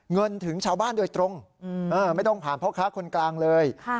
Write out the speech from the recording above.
เงินถึงชาวบ้านโดยตรงไม่ต้องผ่านพ่อค้าคนกลางเลย